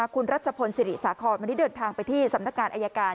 คุณรัชพลศิริสาครวันนี้เดินทางไปที่สำนักงานอายการ